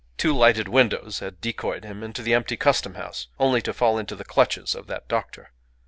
Two lighted windows had decoyed him into the empty Custom House, only to fall into the clutches of that doctor.